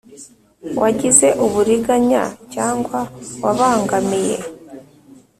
wagize uburiganya cyangwa wabangamiye